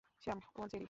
Sam, ও Jerry.